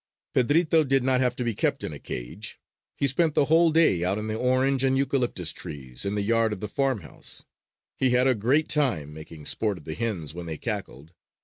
Pedrito did not have to be kept in a cage. He spent the whole day out in the orange and eucalyptus trees in the yard of the farmhouse. He had a great time making sport of the hens when they cackled.